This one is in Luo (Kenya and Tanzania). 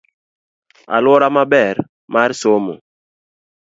Aluora maber mas somo.